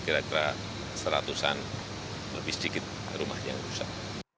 kira kira seratusan lebih sedikit rumah yang rusak